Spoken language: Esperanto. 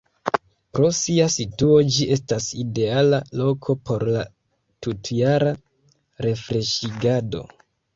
Pro sia situo ĝi estas ideala loko por la tutjara refreŝigado.